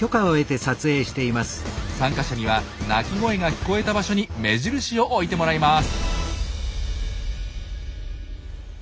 参加者には鳴き声が聞こえた場所に目印を置いてもらいます。